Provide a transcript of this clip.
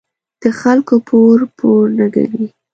د خلکو پور، پور نه گڼي.